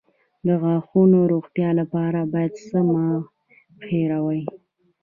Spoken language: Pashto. د غاښونو د روغتیا لپاره باید څه مه هیروم؟